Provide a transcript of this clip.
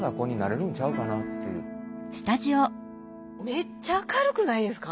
めっちゃ明るくないですか。